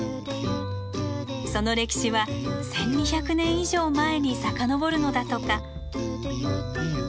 その歴史は１，２００年以上前に遡るのだとか。